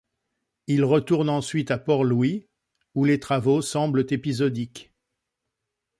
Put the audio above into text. Il retourne ensuite à Port-Louis, où les travaux semblent épisodiques.